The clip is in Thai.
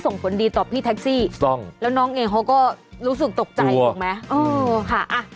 ส่งผลดีต่อพี่แท็กซี่ถูกต้องแล้วน้องเองเขาก็รู้สึกตกใจถูกไหมเออค่ะ